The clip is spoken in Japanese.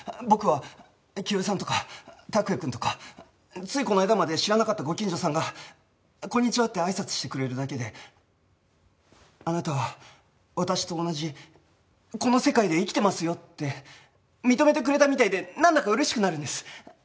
僕は清江さんとか託也くんとかついこの間まで知らなかったご近所さんが「こんにちは」ってあいさつしてくれるだけで「あなたは私と同じこの世界で生きてますよ」って認めてくれたみたいでなんだか嬉しくなるんです。